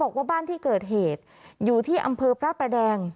ว่าบ้านที่เกิดเหตุอยู่ที่อำเภอพระประแดง